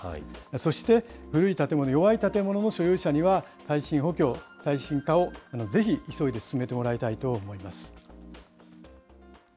そして、古い建物、弱い建物の所有者には、耐震補強、耐震化をぜひ進めてもらいたいと思います。